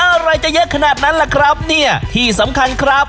อะไรจะเยอะขนาดนั้นล่ะครับเนี่ยที่สำคัญครับ